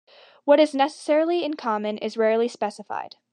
What is necessarily in common is rarely specified.